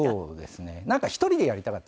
なんか１人でやりたかったんですよ。